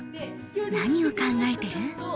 何を考えてる？